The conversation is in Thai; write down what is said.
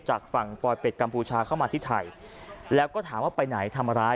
จากฝั่งปลอยเป็ดกัมพูชาเข้ามาที่ไทยแล้วก็ถามว่าไปไหนทำร้าย